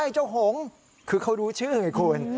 เจ้าหงคือเขารู้ชื่อไงคุณ